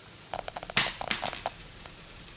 მდებარეობს ელ-ჰასაქის მუჰაფაზის ელ-ჰასაქის მინტაკაში.